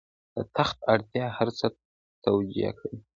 د تخت اړتیا هر څه توجیه کوي.